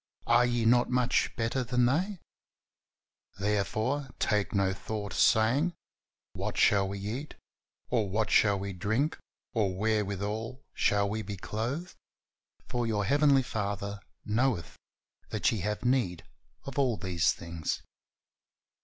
Are ye not much better than they? Therefore take no thought, saying. What shall we eat, or what shall we drink, or wherewithal shall we be clothed? for your Heavenly Father knoweth that ye have need of all these things."